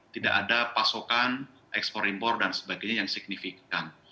tidak ada pasokan ekspor impor dan sebagainya yang signifikan